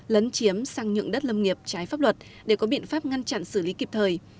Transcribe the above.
lấn chiếm sang nhượng đất lâm nghiệp trái pháp luật để có biện pháp ngăn chặn xử lý kịp thời